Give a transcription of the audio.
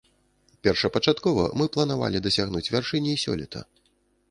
Першапачаткова мы планавалі дасягнуць вяршыні сёлета.